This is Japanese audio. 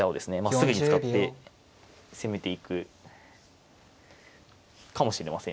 すぐに使って攻めていくかもしれませんし。